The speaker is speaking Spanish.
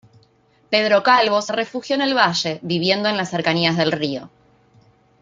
Pedro Calvo se refugió en el valle, viviendo en las cercanías del río.